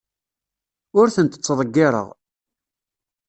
Ur tent-ttḍeyyireɣ.